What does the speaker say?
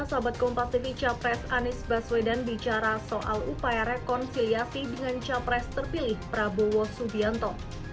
sahabat kompas tv capres anies baswedan bicara soal upaya rekonsiliasi dengan capres terpilih prabowo subianto